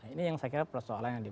ini yang saya kira persoalannya dipo